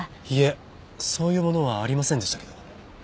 いえそういう物はありませんでしたけど。